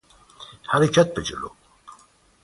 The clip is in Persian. حرکت به جلو